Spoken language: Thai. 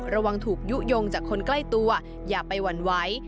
ระวังถูกยุโยงจากคนใกล้ตัวอย่าไปหวั่นไหว